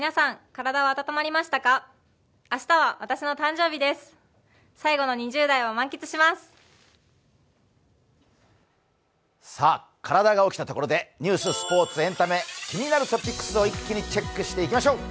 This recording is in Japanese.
体が起きたところでニュース、スポーツ、エンタメ、気になるトピックスを一気にチェックしていきましょう。